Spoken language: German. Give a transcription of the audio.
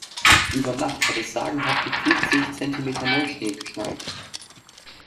Über Nacht hat es sagenhafte vierzig Zentimeter Neuschnee geschneit.